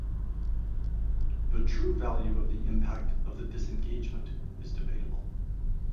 The true value of the impact of the disengagement is debatable.